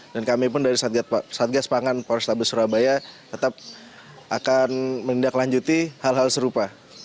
dan kami pun dari satgas pangan polis tabu surabaya tetap akan menindaklanjuti hal hal serupa